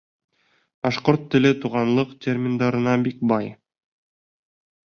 Башҡорт теле туғанлыҡ терминдарына бик бай.